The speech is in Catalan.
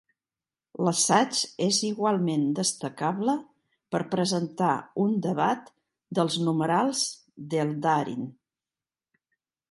L'assaig és igualment destacable per presentar un debat dels numerals d'Eldarin.